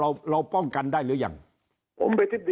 คราวนี้เจ้าหน้าที่ป่าไม้รับรองแนวเนี่ยจะต้องเป็นหนังสือจากอธิบดี